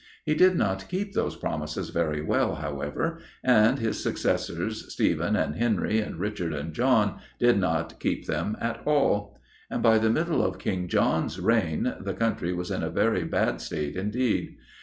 He did not keep those promises very well, however, and his successors, Stephen, and Henry, and Richard, and John, did not keep them at all; and by the middle of King John's reign the country was in a very bad state indeed.